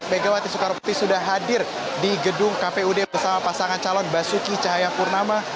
megawati soekarnoputri sudah hadir di gedung kpud bersama pasangan calon basuki cahayapurnama